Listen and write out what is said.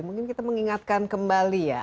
mungkin kita mengingatkan kembali ya